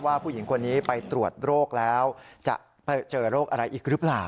ผู้หญิงคนนี้ไปตรวจโรคแล้วจะเจอโรคอะไรอีกหรือเปล่า